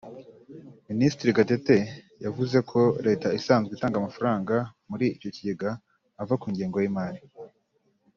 Minisitiri Gatete yavuze ko Leta isanzwe itanga amafaranga muri icyo kigega ava ku ngengo y’imari